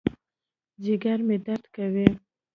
ځېګر مې درد کوي